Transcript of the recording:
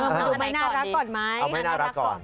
ดูไม่น่ารักก่อนไหมเอาไม่น่ารักก่อน